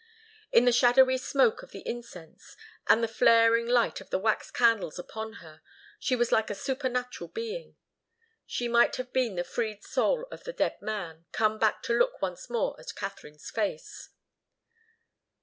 In the shadowy smoke of the incense, with the flaring light of the wax candles upon her, she was like a supernatural being. She might have been the freed soul of the dead man, come back to look once more at Katharine's face.